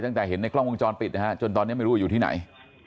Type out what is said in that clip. ตั้งแต่เห็นในกล้องวงจรปิดนะฮะจนตอนนี้ไม่รู้อยู่ที่ไหน